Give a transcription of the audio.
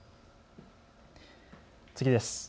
次です。